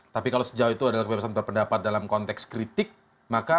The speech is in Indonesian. tapi kalau sejauh itu adalah kebebasan berpendapat dalam konteks kritik